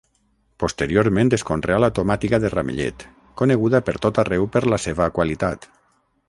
Posteriorment es conreà la tomàtiga de ramellet, coneguda per tot arreu per la seva qualitat.